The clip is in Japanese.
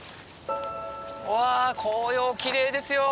うわ紅葉きれいですよ。